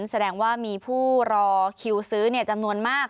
แสดงว่ามีผู้รอคิวซื้อจำนวนมาก